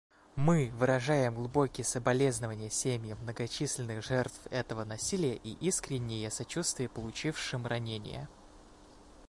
Мы выражаем глубокие соболезнования семьям многочисленных жертв этого насилия и искреннее сочувствие получившим ранения.